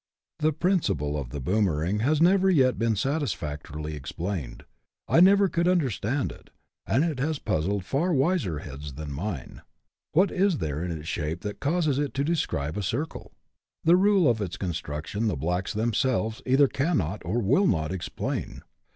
The principle of the boomering has never yet been satisfactorily explained ; I never could understand it, and it has puzzled far wiser heads than mine. What is there in its shape that causes it to describe a circle ? The rule of its construction the blacks themselves either cannot, or will not, explain.